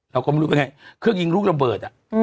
เราก็ไม่รู้เป็นไงเครื่องยิงลูกระเบิด